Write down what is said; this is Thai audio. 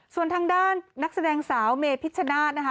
ส่วนทางด้านนักแสดงสาวเมพิชนาท